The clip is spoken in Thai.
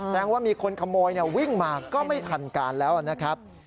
ว่ามีคนขโมยวิ่งมาก็ไม่ทันการแล้วนะครับ